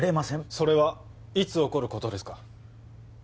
それはいつ起こることですか？